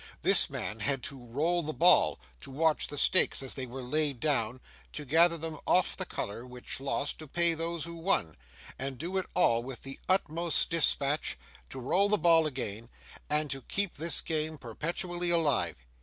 This man had to roll the ball, to watch the stakes as they were laid down, to gather them off the colour which lost, to pay those who won, to do it all with the utmost dispatch, to roll the ball again, and to keep this game perpetually alive.